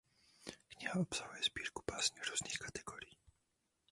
Kniha obsahuje sbírku básní různých kategorií.